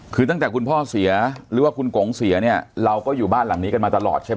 คือตั้งแต่คุณพ่อเสียหรือว่าคุณกงเสียเนี่ยเราก็อยู่บ้านหลังนี้กันมาตลอดใช่ไหม